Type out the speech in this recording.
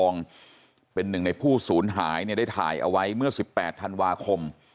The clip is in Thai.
เป็นหนึ่งในผู้ศูนย์หายเนี่ยได้ถ่ายเอาไว้เมื่อ๑๘ธันวาคม